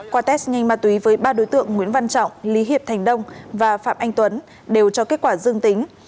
qua test nhanh ma túy với ba đối tượng nguyễn văn trọng lý hiệp thành đông và phạm anh tuấn đều cho kết quả dương tính